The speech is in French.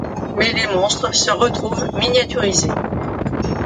Mais les monstres se retrouvent miniaturisés...